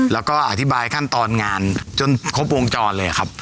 แล้วก็อธิบายขั้นตอนงานจนครบวงจรเลยครับ